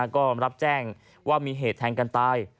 ก็รับแจ้งว่ามีเหตุแทงกันตาย